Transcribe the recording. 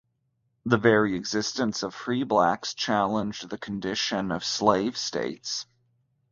The very existence of free blacks challenged the conditions of slave states.